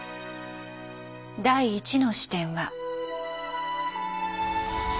第１の視点は。